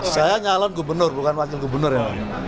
saya nyalon gubernur bukan wakil gubernur ya